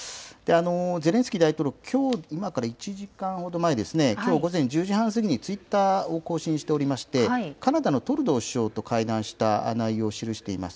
ゼレンスキー大統領、きょう、今から１時間ほど前ですね、きょう午前１０時半過ぎにツイッターを更新しておりまして、カナダのトルドー首相と会談した内容を記しています。